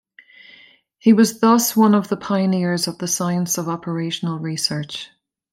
He was thus one of the pioneers of the science of operational research.